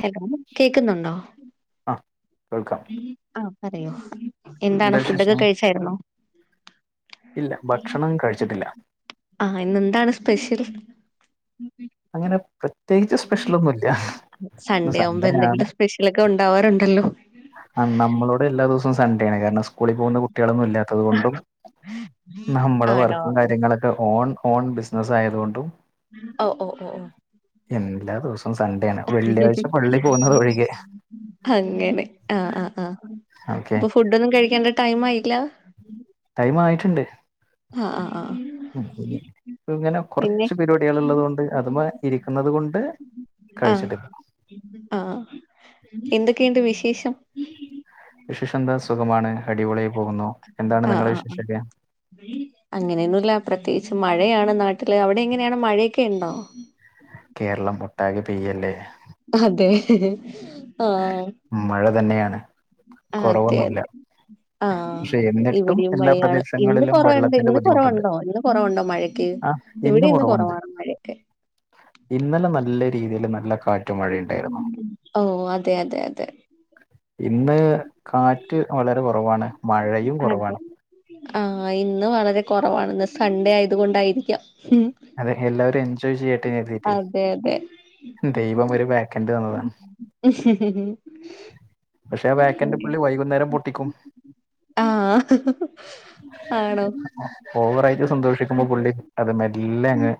Hello കേക്കുന്നുണ്ടോ? അഹ് കേൾക്കാം. ആഹ് പറയൂ എന്താണ് എന്താ ഫുഡൊക്കെ വിശേഷം കയ്ച്ചായ്ര്ന്നോ? ഇല്ല ഭക്ഷണം കഴിച്ചിട്ടില്ല ആഹ് ഇന്നെന്താണ് സ്പെഷ്യൽ? അങ്ങനെ പ്രത്യേകിച്ച് സ്പെഷ്യലൊന്നുല്ല ന്ന് ആവുമ്പോ സൺഡേ ആണ്. എന്തെങ്കിലും സ്പെഷ്യലൊക്കെ ഉണ്ടാവാറുണ്ടല്ലോ ആഹ് നമ്മളോടെല്ലാ ദിവസും സണ്ടേണ് കാരണം സ്കൂളി പോകുന്ന കുട്ട്യളൊന്നുല്ല. അത്കൊണ്ടും നമ്മള് ആണോ വർക്കും കാര്യങ്ങളൊക്കെ ഓൺ ഓൺ ബിസ്നസ് ആയത്കൊണ്ടും ഓ ഓ ഓ ഓ. എല്ലാ ദിവസവും സൺഡേ ആണ് വെള്ളിയാഴ്ച പള്ളി പോവ്ന്നത് ഒഴികെ. അങ്ങനെ ആ ആ ആ ഓക്കെ അപ്പൊ ഫുഡൊന്നും കഴിക്കേണ്ട ടൈം ആയില്ല? ടൈം ആയിട്ണ്ട്. ആഹ് ആഹ് ആഹ്. ഇങ്ങനെ പിന്നെ കൊർച്ച് പരിപാടികൾ ഇള്ളത് കൊണ്ട് അത്‌മേ ഇരിക്കുന്നത് കൊണ്ട് കഴിച്ചിട്ടില്ല. ആ എന്തൊക്കെയുണ്ട് വിശേഷം? വിശേഷന്ത സുഖമാണ് അടിപൊളിയായി പോകുന്നു എന്താണ് നിങ്ങളെ വിശേഷൊക്കെ? അങ്ങനെയൊന്നുംല്ല പ്രത്യേകിച്ച് മഴയാണ് നാട്ടില് അവിടെ എങ്ങനെയാണ് മഴയൊക്കെ ഉണ്ടോ? കേരളം ഒട്ടാകെ പെയ്യല്ലേ. അതെ ആ. മ് മഴ തന്നെയാണ് കുറവൊന്നുല്ല. അതെ ആഹ് ഇവിടീം മഴയാണ് ഇന്ന് പ്രദേശങ്ങളിലും കൊറവ്ണ്ട് വെള്ളത്തിന്റെ ഇന്ന് ബുദ്ധിമുട്ടുണ്ട് കൊറവുണ്ടോ ഇന്ന് കൊറവുണ്ടോ മഴക്ക്? ആ ഇവിടെ ഇന്ന് കുറവുണ്ട് കുറവാണ്‌ മഴെ. ഇന്നലെ നല്ല രീതിയിൽ നല്ല കാറ്റും മഴയുണ്ടായ്രുന്നു. ഓ അതെ അതെ അതെ. ഇന്ന് കാറ്റ് വളരെ കുറവാണ് മഴേം. അതെ ആ ഇന്ന് വളരെ കുറവാണ് ഇന്ന് സൺഡേ ആയത് കൊണ്ടായിരിക്കാം. അതെ എല്ലാവരും എൻജോയ് ചെയ്യട്ടെ കര്തിട്ടേ അതെ അതെ ദൈവം ഒരു വേ ക്കന്റ് തന്നതാ. പക്ഷെ ആ വേക്കറ്റ് പുള്ളി വൈകുന്നേരം പൊ ട്ടിക്കും. ആഹ് ആണോ ഓവറായിട്ട് സന്തോഷിക്കുമ്പോ പുള്ളി അത് മെല്ലെ അങ്ങ്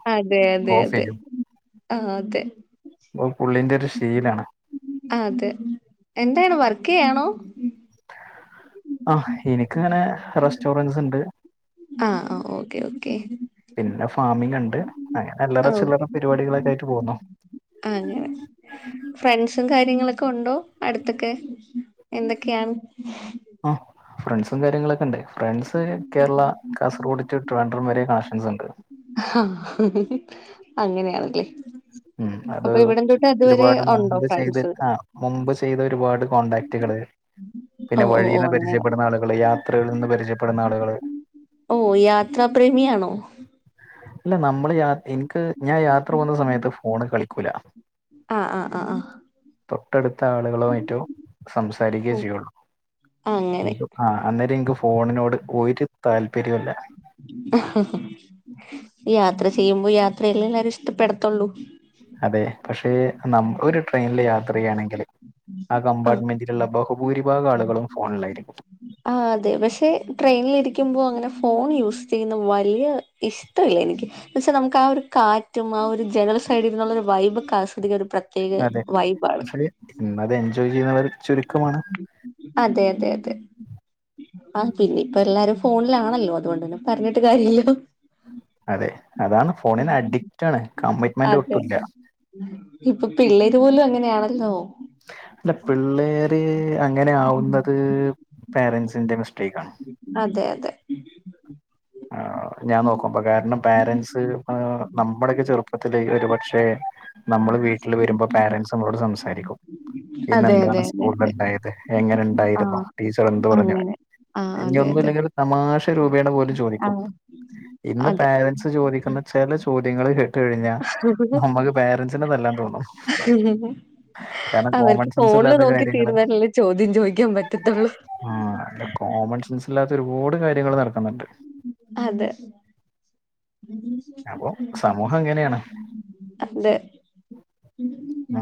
ഓഫെയ്യും. ആ അതെ. അത് പുള്ളിന്റൊരു ശീലാണ്. അതെ എന്താണ് വർക്കെയ്യാണോ? ആ എനിക്കിങ്ങനെ റെസ്റ്റോറന്റ്സ് ണ്ട്. ആഹ് ആ ഓക്കേ ഓക്കേ. പിന്നെ ഫാമിംഗ്ണ്ട് അങ്ങനെ അല്ലറ ആഹ് ഓക്കെ ചില്ലറ പരിപാടികളൊക്കെയിട്ട് പോവുന്നു. അങ്ങനെ. ഫ്രണ്ട്സും കാര്യങ്ങളൊക്കെ ഉണ്ടോ അട്ത്തൊക്കെ എന്തൊക്കെയാണ്? ആഹ്. ഫ്രണ്ട്സും കാര്യങ്ങളൊക്കെ ഉണ്ട് ഫ്രണ്ട്സ് കേരള കാസർക്കോട് ടു ട്രിവാൻഡ്രം വരെ കണക്ഷൻസുണ്ട്. ആ അങ്ങനെയാണ്ല്ലേ. ഉം അത് ഒരുപാട് ഉണ്ടോ മുമ്പ് ചെയ്ത് ഫ്രണ്ട്സ് ആ മുമ്പ് ചെയ്ത ഒരുപാട് കോൺടാക്റ്റ്കള് പിന്നെ ഓ ഓ ഓ വഴിന്ന് അങ്ങനെ പരിചയപ്പെടുന്ന ആളുകള് യാ ത്രകളിൽ നിന്ന് പരിചയപ്പെടുന്ന ആളുകള് ഓ യാത്രാ പ്രേമിയാണോ? ഇല്ല നമ്മള് എൻക്ക് ഞാൻ യാത്ര പോവുന്ന സമയത്ത് ഫോണ് കളിക്കൂല. ആഹ് ആഹ് ആഹ്. തൊട്ടട്ത്ത ആളുകളുമായിട്ടോ സംസാരിക്കേ ആഹ് ചെയ്യൊള്ളൂ. അങ്ങനെ ആഹ് അന്നേരം എൻക്ക് ഫോണിനോട് ഒരു താല്പര്യുല്ല. യാത്ര ചെയ്യുമ്പോ യാത്രയല്ലേ എല്ലരും ഇഷ്ടപ്പെടത്തൊള്ളൂ. അതെ പക്ഷെ നമ്മ ഒരു ട്രെയ്നിൽ യാത്ര ചെയ്യാണെങ്കില് ആ ആഹ് കമ്പാർട്ട്മെന്റി ള്ള ബഹുഭൂരിഭാഗം ആളുകളും ഫോണിലായിരിക്കും. ആ അതെ പക്ഷെ ട്രെയ്നിലിരിക്കുമ്പോ അങ്ങനെ ഫോൺ യൂസ് ചെയ്യുന്ന വലിയ ഇഷ് ട്ടല്ല എനിക്ക് എന്നച്ചാൽ നമുക്ക് ആ ഒരു കാറ്റും ആ ഒരു ജനൽ സൈഡിൽനിന്നുള്ളരു വൈബൊക്കെ ആസ്വദിക്കാ ഒരു പ്ര അതെ പക്ഷെ അത് എൻജോയ് ചെയ്യുന്നവര് ചുരുക്കമാണ്. അതെതെതെ. ആഹ് പിന്നിപ്പോ ഇപ്പ എല്ലാരും ഫോണിലാണല്ലോ അതുകൊണ്ട് തന്നെ പറഞ്ഞിട്ട് കാര്യവില്ല അതെ അതാണ് ഫോണിന് അഡിക്റ്റാണ് കമ്മിറ്റ്മെന്റ് ഒട്ടുമില്ല ഇപ്പോ പിള്ളേര് പോലും അങ്ങനെയാണല്ലോ അല്ല പിള്ളേര് അങ്ങനെ ആവുന്നത് പേരന്റ്സിന്റെ മിസ്റ്റേക്ക് ആണ് അതെ അതെ ആഹ് ഞാൻ നോക്കും കാരണം പോരന്റ്സ് നമ്മുടെയൊക്കെ ചെറുപ്പത്തില് ഒരു പക്ഷേ നമ്മള് വീട്ടിൽ വരുമ്പോ പേരന്റ്സ് നമ്മളോട് സംസാരിക്കും അതെ അതെ ഇന്നെന്താണ് അതെ സ്കൂളിൽ അതെ ഉണ്ടായത് എങ്ങനെ ഉണ്ടായിരുന്നു ടീച്ചർ എന്ത് പറഞ്ഞു ആഹ് ഇനി അതെ അതെ ഒന്നുമില്ലെങ്കിൽ ഒരു തമാശ രൂപേണേ പോലും ആ ചോദിക്കും ഇന്ന് അതെ പേരന്റ്സ് ചോദിക്കുന്ന ചില ചോദ്യങ്ങള് കേ ട്ട് കഴിഞ്ഞാ നമ്മുക്ക് പേരന്റ്സിനെ തല്ലാൻ തോന്നും ഹം കാരണം കോമൺ അവർക്ക് സെൻസ് ഫോണില് ഇല്ലാത്ത നോക്കി കാര്യങ്ങള് തീർന്നാലല്ലേ ചോദ്യം ചോദിക്കാൻ പറ്റത്തുള്ളൂ ആഹ് അല്ല കോമൺസെൻസ് ഇല്ലാത്ത ഒരുപാട് കാര്യങ്ങള് നടക്കുന്നുണ്ട് അതെ അപ്പൊ സമൂഹം അങ്ങനെയാണ് അതെ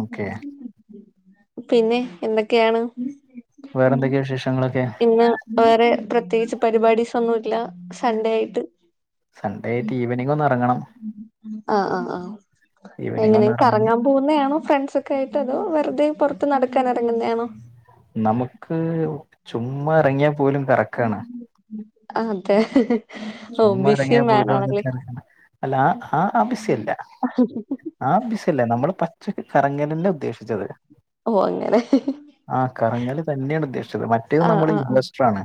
ഓക്കെ പിന്നെ എന്തൊക്കെയാണ് വേറെ എന്തൊക്കെയോ വിശേഷങ്ങളൊക്കെ ഇന്ന് വേറെ പ്രത്യേകിച്ച് പരിപാടീസ് ഒന്നുമില്ല സൺഡേ ആയിട്ട് സൺഡേ ആയിട്ട് ഈവനിംഗ് ഒന്ന് ഇറങ്ങണം ആഹ ആഹ് ആഹ് ഈവനിങ് എങ്ങനെ ഒന്ന് ഇറങ്ങി കറങ്ങാൻ പോന്നെയാണോ ഫ്രണ്ട്സൊക്കെ ആയിട്ട് അതോ വെറുതെ പുറത്ത് നടക്കാൻ ഇറങ്ങുന്നയാണോ നമുക്ക് ചുമ്മാ ഇറങ്ങിയാൽ പോലും കറക്കാണ് അതെ ഓ ചുമ്മാ ബിസി ഇറങ്ങിയാ മാൻ പോലും ആണല്ലേ അതിനകത്തു [unintelligible] ആ [unintelligible] നമ്മള് പച്ചക്ക് കറങ്ങല് തന്നെയാ ഉദ്ദേശിച്ചത് ഓ അങ്ങനെ ആ കറങ്ങല് തന്നെയാണ് ഉദ്ദേശിച്ചത് മറ്റേത് ആഹ് നമ്മള് ആഹ് ആഹ് ഇൻവെസ്റ്ററാണ്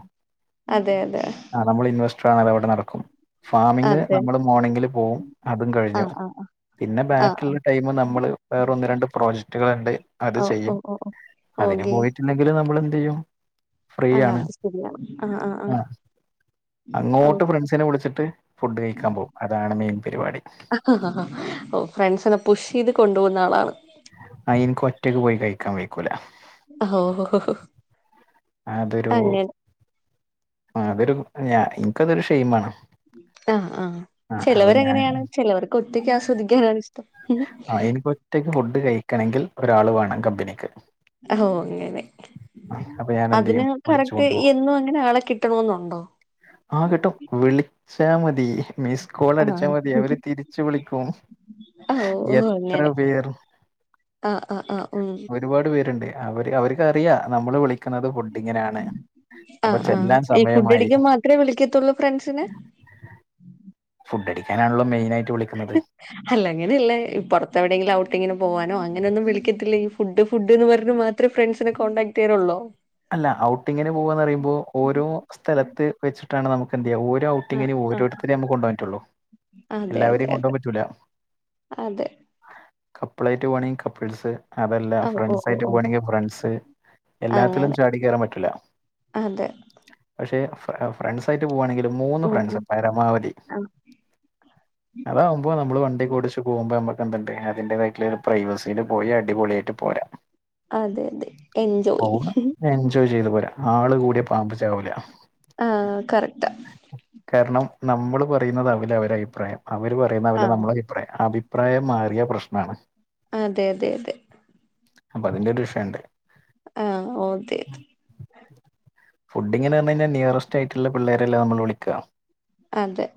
അതെ അതെ ആഹ് നമ്മൾ ഇൻവെസ്റ്ററാണ് അതേ പോലെ നടക്കും ഫാമിംഗ് അതെ നമ്മള് മോർണിങ്ങില് പോകും അതും കഴിഞ്ഞു ആഹ് ആഹ് പിന്നെ ആഹ് ആഹ് ബാക്കിയുള്ള ടൈമ് നമ്മള് വേറെ ഒന്ന് രണ്ട് പ്രോജക്ടുകളുണ്ട് അത് ചെയ്യും ഓക്കെ ഇല്ലങ്കില് നമ്മൾ എന്ത് ചെയ്യും ഫ്രീ ആഹ് ആണ് അത് ശരിയാണ് ആ ആ ആ അങ്ങോട്ട് ഫ്രണ്ട്സിനെ വിളിച്ചിട്ട് ഫുഡ് കഴിക്കാൻ പോകും അതാണ് മെയിൻ പരിപാടി ഓ ഫ്രണ്ട്സിനെ പുഷ് ചെയ്ത് കൊണ്ട് പോകുന്ന ആളാണ് ആഹ് എനിക്ക് ഒറ്റയ്ക്ക് പോയി കഴിക്കാൻ കഴിക്കൂല ഓഹ് അതൊരു ആഹ് അതൊരു ഞാൻ എനിക്കതൊരു ഷെയിം ആണ് ആഹ് ആഹ് ചിലവര് അങ്ങനെയാണ് ചിലവർക്ക് ഒറ്റക്ക് ആസ്വദിക്കാനാണ് ഇ ആഹ് എനിക്ക് ഒറ്റക്ക് ഫുഡ് കഴിക്കണമെങ്കിൽ ഒരാള് വേണം കമ്പനിക്ക് ഓ അങ്ങനെ അപ്പൊ ഞാൻ എന്ത് അതിന് ചെയ്യും വിളിച്ചു കറക്റ്റ് കൊണ്ടുപോകും എന്നും അങ്ങനെ ആളെ കിട്ടണോന്നുണ്ടോ ആഹ് കിട്ടും വിളിച്ചാൽ മതി മിസ് കോൾ അടിച്ചാൽ മതി ആഹ് അവര് തിരിച്ച് വിളിക്കും ഓ എത്ര അങ്ങനെ പേർ ആഹ് ആഹ് ആഹ് ഉം ഒരുപാട് പേരുണ്ട് അവര് അവർക്കറിയാം നമ്മള് വിളി ക്കണത് ഫുഡിങ്ങിനാണ് അപ്പൊ ചെല്ലാൻ സമയമായി ത്രേ വിളിക്കത്തുള്ളൂ ഫ്രണ്ട്സിനെ ഫുഡടിക്കാനണല്ലോ മെയിനാട്ട് വിളി അല്ല ങ്ങനെയല്ല പുറത്തെവിടെങ്കിലും ഔട്ടിങ്ങിന് പോവാനോ അങ്ങനെന്നും വിളിക്കത്തില്ലേ? ഫുഡ് ഫുഡ് എന്നും പറഞ് മാത്രേ ഫ്രണ്ട്സിനെ കോണ്ടടാക്ട് ചെയ്യറുള്ളോ? അല്ല ഔട്ടിങ്ങിന് പോകന്ന് പറയുമ്പോ ഓരോ സ്ഥലത്ത് വെച്ചിട്ടാണ് നമുക്ക് എന്ത് ചെയ്യ ഓരോ ഔ ദി ആഹ് ഇങ്ങനെ ആഹ് ഓരോരുത്തരെ നമുക്ക് കൊണ്ട് പോകാൻ പറ്റുള്ളൂ അതെ അതെ എല്ലാവരെയും അതെ കൊണ്ടുപോകൻ പറ്റൂല അതെ കപ്പിളായിട്ട് പോകണെങ്കിൽ കപ്പിൾസ് അതല്ല ഓ ഓ ഫ്രണ്ട്സ് ഓ ആയിട്ട് ഓ പോകാണെങ്കിൽ ഫ്രണ്ട്സ് എല്ലാത്തിലും അങ്ങനെ ചാടി കേറാൻ പറ്റൂല അതെ പക്ഷെ ഫ്ര ഫ്രണ്ട്സ് ആയിട്ട് പോവാണെങ്കിൽ മൂന്ന് ഫ്രണ്ട്സ് പരമാവതി മ്. അതാവകുമ്പൾ നമ്മൾ വണ്ടി ഒക്കെ ഓടിച്ചു പോകുമ്പോ നമുക്ക് എന്തുണ്ട് അതിൻ്റെ വൈട്ടിൽ പ്രൈവസിയിൽ പോയി അടിപൊളിയായിട്ട് പോരാം. ഹ്മ്. അതെ അതെ എൻജോയ്. എൻജോയ് ചെയ്തു പോരാ ആള് കൂടിയ പാമ്പിച്ചാവൂല. ആ കറക്ടാ. കാരണം നമ്മള് പറയുന്നതാവില്ല അവര അഭിപ്രായം അവര് പറയുന്നതാവില്ല ആഹ് നമ്മളെ അ. അ അഭിപ്രായം മാറിയ പ്രശ്നമാണ്. അതെ അതെ അതെ. അപ്പൊ അതിന്റെ ഒരു വിഷയംണ്ട്. ആ ഒക്കെ. ഫുഡിങ്നുന്നു പറഞ്ഞാൽ നിയറസ്റ്റ് ആയിട്ടുള്ള പിള്ളേരെല്ലേ നമ്മൾ വിളിക്കുക. അതെ.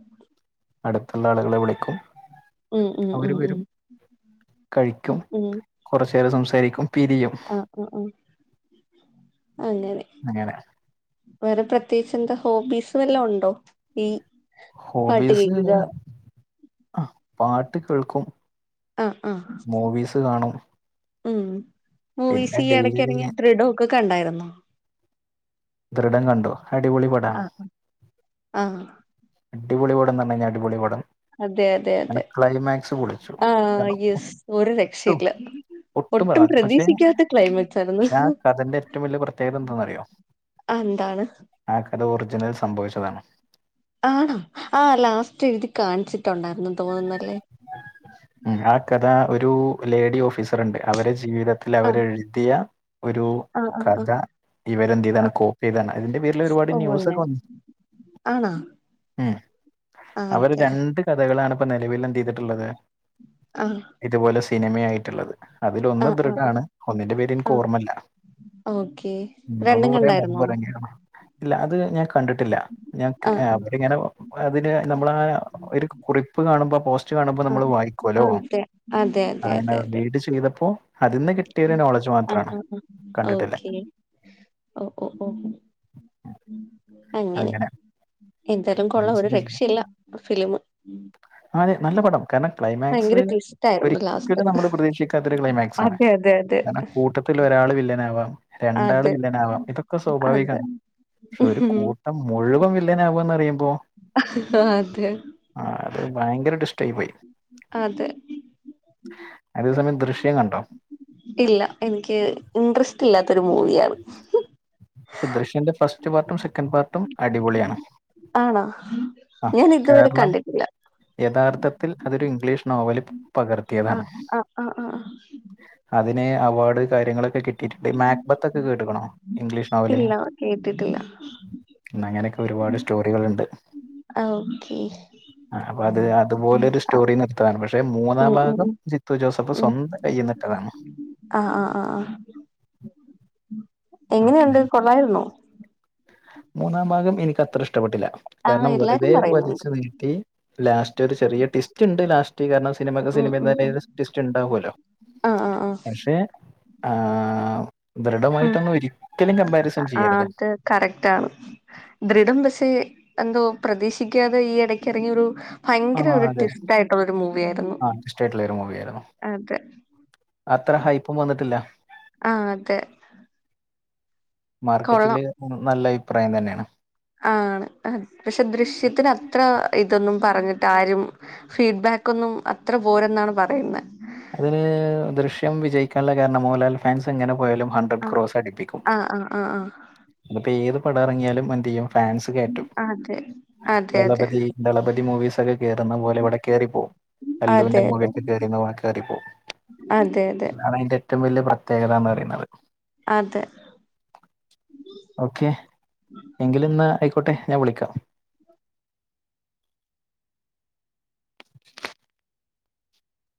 അടുത്തുള്ള ആളുകളെ വിളിക്കും. ഉം ഉം അവര് ഉം ഉം വരും കഴിക്കും. ഉം കുറചേരം സംസാരിക്കും പിരിയും. മ് മ് അങ്ങനെ. അങ്ങനെ. വേറെ പ്രത്യേകിച്ച് എന്താ ഹോബീസ് വല്ലതും ഉണ്ടോ ഈ. പാട്ട് ഹോബീസ് കേക്കുക പാട്ട് കേൾക്കും. ആഹ് ആഹ് മൂവീസ് കാണും. ഉം പിന്നെ മൂവിസ് ഈ ഡെയിലി ഇടക്കറിങ്ങിയ ദൃടൊക്കെ കണ്ടായിരുന്നോ. ദൃഢം കണ്ടു. അടിപൊളി ആ പടമാണ് ആ. അടിപൊളപടംന്ന്പറഞ്ഞാ അടിപൊളിപടം അതെ അതെ അതെ ആഹ് കാരണം യസ് ഒരു ഒട്ടും രക്ഷയില്ല. ഒട്ടും പറയാ പക്ഷെ പ്രതീക്ഷിക്കാത്ത ക്ലൈമാറ്റ് ആരുന്നു പക്ഷെ ആ കഥന്റെ ഏറ്റവും വലിയ പ്രത്യേകത എന്താണെന്നറിയോ ആ എന്താണ്? ആ കഥ ഒറിജിനൽ സംഭവിച്ചതാണ്. ആണോ ആ ലാസ്റ്റ് എഴുതി കാണിച്ചിട്ടുണ്ടാരുന്നു തോന്നുന്നല്ലേ. ആ കഥ ഒരു ലേഡി ഓഫീസർ ഉണ്ട് അവരെടെ ജീവിത ത്തിൽ ആഹ് അവരെ എഴുതിയ ഒരു ആഹ് ആഹ് കഥ ആഹ് ഇവരെന്ത്യ്താണ് ആഹ് കോപ്പി ചെയ്താണ് അതിന്റെ പേരിൽ ഓഹ് ഒരുപാട്ന്യൂസ് അങ്ങനെ ഒക്കെ വന്നു ആണോ ഉം ആഹ് അവര് അതെ രണ്ട് കഥകളാണ് ഇപ്പ നിലവിലന്തേതെ ട്ടുള്ളത് ആഹ് ഇതുപോലെ സിനിമ ആയിട്ടുള്ളത് അതിലൊന്ന് ആഹ് ആഹ് ദൃഢാണ് ആഹ് ഒന്നിന്റെ പേര് എനിക്ക് ആഹ് ഓർമ്മല്ല ഓക്കെ ഉം ഒന്ന് രണ്ടും കൊറേ മുമ്പ് കണ്ടായിരുന്നോ ഇറങ്ങിയതാ ഇല്ല അത് ഞാൻ കണ്ടിട്ടില്ല ഞാ ഏ ആഹ് ആഹ് അവര്ങ്ങനെ അതില് നമ്മള ഒരു കുറിപ്പ് കാണുമ്പോ പോസ് കാണുമ്പോ നമ്മൾ ആഹ് വായിക്കോല്ലോ ആഹ് അതെ അതെ അതെ ആന്നേ അതെ അതെ റീഡ് ചെയ്തപ്പോ അതിന്ന് കിട്ടിയൊരു നോളജ് ആഹ് മാത്രാണ് ആഹ് ആഹ് കണ്ടിട്ടിള്ളെ ഓക്കെ ഓഹ് ഓഹ് ഓഫ് ഓഹ് അങ്ങനെ എന്തായാലും കൊള്ളാം ഒരു രക്ഷയില്ല ആ ഫിലിം അതെ നല്ല പടം കാരണം ക്ലൈമാക്സ് ഭയങ്കര ട്വിസ്റ്റ് ആയിരുന്നു ലാസ്റ്റ് ഒരിക്കലും നമ്മള് പ്രതീക്ഷിക്കാത്തൊരു ക്ലൈമാക്സ് ആണ് അതെ അതെ അതെ കാരണം കൂട്ട ത്തിലോരാൾ വില്ലനാവാം രണ്ടാൾ അതെ വില്ലനാവാം ഇതൊക്കെ അതെ സ്വാഭാവികാണ് പക്ഷെ ഒരു കൂട്ട ട്ടം മുഴുവൻ വില്ലനാവാന്ന് അറിയുമ്പോ ആഹ്‌ അതെ ആഹ്‌ അത് ഭയങ്കര ട്വിസ്റ്റായി പോയി അതെ അതേസമയം ദൃശ്യം കണ്ടോ ഇല്ല എനിക്ക് ഇൻട്രസ്റ്റ് ഇല്ലാത്തൊരു മൂവിയാണ് പഷേ ദൃശ്യന്റെ ഫസ്റ്റ് പാർട്ടും സെക്കൻന്റ് പാർട്ടും അടിപൊളിയാണ് ആണോ ആ ഞാൻ ഇതുവരെ കാരണം കണ്ടിട്ടില്ല യഥാർത്ഥത്തിൽ അതൊരു ഇംഗ്ലീഷ് നോവല് ആ പകർത്തിയതാണ് ആ ആ ആ അതിന് അവാർഡ് കാര്യങ്ങളൊക്കെ കിട്ടി കിട്ടി ഈ മാക്ബത്ത് ഒക്കെ കേട്ട്ക്ക്ണോ ഇംഗ്ലീഷ് നോവല് ഇല്ല കേട്ടിട്ടില്ല അങ്ങനോക്കെ ഒരുപാട് സ്റ്റോറികള്ണ്ട് ആഹ്‌ ഓക്കെ ആ അപ്പൊ അത് അതുപോലൊരു ആ സ്റ്റോറിന്ന് ഇട്ത്താണ് പക്ഷെ മൂന്നാം ഉം ഉം ഭാഗം ഉം ജിത്തു ജോസഫ് സ്വന്തം കയ്യ്ന്നിട്ടതാണ് ആഹ് ആ ആ ആഹ്‌ ഓക്കെ എങ്ങനെയുണ്ട് കൊള്ളായിരുന്നോ മൂന്നാം ഭാഗം എനിക്ക് അത്ര ഇഷ്ടപ്പെട്ടില്ല ആ കാരണം എല്ലാരും വെറുതെ പറയുന്നുണ്ട് വലിച്ചു നീ ട്ടി ലാസ്റ്റ് ഒരു ചെറിയ ട്വിസ്റ്റ്‌ ണ്ട് ലാസ്റ്റ് കാരണം സിനിമക്കെ ഉം ഉം സിനിമന്ന ഉം ട്വിസ്റ്റ് ഉണ്ടാവല്ലോ ആ ആ ആ പക്ഷെ ആഹ്‌ ഉം ദൃഢമായിട്ടൊന്നും ഒരിക്കലും കമ്പാരിസൺ ചെയ്യരുത് കറക്റ്റാണ് ദൃഡം പക്ഷെ എന്തോ പ്രതീക്ഷിക്കാതെ ഈ ഇടക്ക് ഇറങ്ങിയ ഒരു ഭയങ്കര ആഹ് ഒരു അതെ ട്വിസ്റ്റ് ആയിട്ടുള്ള ഒരു മൂവി ആയിരുന്നു ആർട്ടിസ്റ്റ് ആയിട്ടുള്ള ഒരു മൂവിയായിരുന്നു അതെ അത്ര ഹൈപ്പും വന്നിട്ടില്ല ആഹ്‌ അതെ മാർക്കറ്റില് കൊള്ളാം നല്ല അഭിപ്രായം തന്നേണ് ആണ് പക്ഷെ ദൃശ്യത്തിന് അത്ര ഇതൊന്നും പറഞ്ഞിട്ട് ആരും ഫീഡ്ബാക്ക് ഒന്നും അത്ര പോരെന്നാണ് പറയുന്നെ അതിന് ദൃശ്യം വിജയിക്കാനുള്ള കാരണം മോഹൻലാൽ ഫാൻസ് എങ്ങനെ പോയാലും ഹ ആ ഹൻഡ്രഡ് ക്രോസ് അടിപ്പിക്കും ആ ആ ആ ആ അത്‌ ഇപ്പോ ഏത് പടം ഇറങ്ങിയാലും എന്ത് ചെയ്യും ഫാൻസ് കേറ്റും അതെ അതെ അതെ ദളപതി ദളപതി മൂവീസ് ഒക്കെ കേറുന്ന പോലെ ഇവിടെ കേറിപ്പോവും അല്ലുവിന്റെ അതെ മൂവി അതെ ഒക്കെ കേറിണ പോലെ കേറിപ്പോവും അതെ അതെ അതാണ് അയിന്റെ ഏറ്റം വലിയ പ്ര പ്രത്യേകതാന്ന് പറിന്നത് അതെ ഓക്കെ എങ്കില് ഇന്നാ ആയിക്കോട്ടെ ഞാൻ വിളിക്കാം